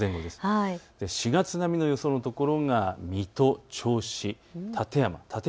４月並みの予想の所が水戸、銚子、館山。